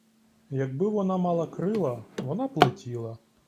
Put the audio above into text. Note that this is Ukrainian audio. Якби вона мала крила, вона б летіла.